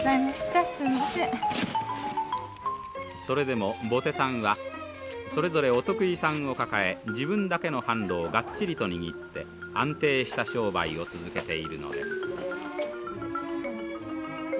それでもボテさんはそれぞれお得意さんを抱え自分だけの販路をがっちりと握って安定した商売を続けているのです。